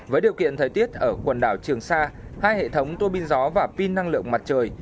với điều kiện thời tiết ở quần đảo trường sa hai hệ thống tuô pin gió và pin năng lượng mặt trời